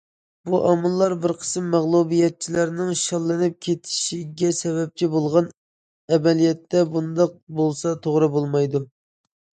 بۇ ئامىللار بىر قىسىم مەغلۇبىيەتچىلەرنىڭ شاللىنىپ كېتىشىگە سەۋەبچى بولغان، ئەمەلىيەتتە بۇنداق بولسا توغرا بولمايدۇ.